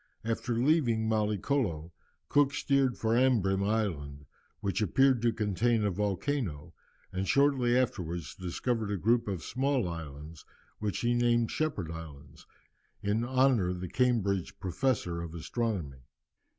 After leaving Mallicolo, Cook steered for Ambrym Island, which appeared to contain a volcano, and shortly afterwards discovered a group of small islands, which he named Shepherd Islands, in honour of the Cambridge Professor of Astronomy.